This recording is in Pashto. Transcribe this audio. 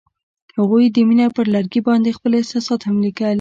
هغوی د مینه پر لرګي باندې خپل احساسات هم لیکل.